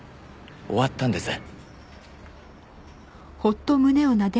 終わったんです。